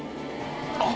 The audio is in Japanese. あっ！